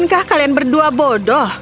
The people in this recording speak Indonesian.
bukankah kalian berdua bodoh